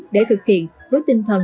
để thực hiện với tinh thần